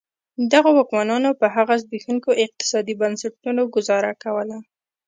دغو واکمنانو په هغه زبېښونکو اقتصادي بنسټونو ګوزاره کوله.